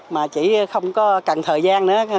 mà chỉ không cần thời gian nữa